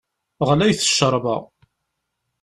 Ɣlayet cceṛba!